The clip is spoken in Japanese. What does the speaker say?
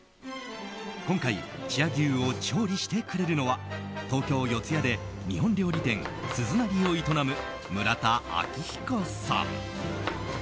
今回千屋牛を調理してくれるのは東京・四谷で日本料理店鈴なりを営む村田明彦さん。